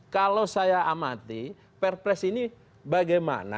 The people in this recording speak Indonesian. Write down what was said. kalau saya amati perpres ini bagaimana